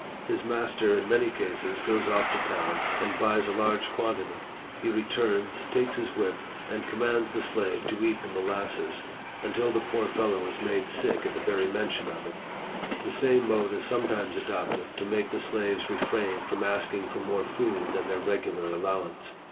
His master, in many cases, goes off to town, and buys a large quan tity ; he returns, takes his whip, and commands the slave to eat the molasses, until the poor fellow is made sick at the very mention of it. The same mode is sometimes adopted to make the slaves refrain from ask ing for more food than their regular allowance.